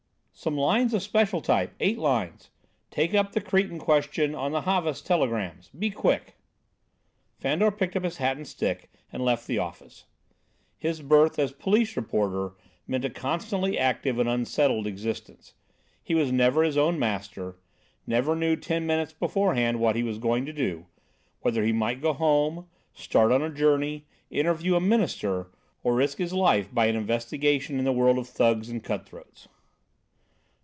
"Some lines of special type; eight lines. Take up the Cretan question on the Havas telegrams. Be quick!" Fandor picked up his hat and stick and left the office. His berth as police reporter meant a constantly active and unsettled existence. He was never his own master, never knew ten minutes beforehand what he was going to do, whether he might go home, start on a journey, interview a minister or risk his life by an investigation in the world of thugs and cut throats.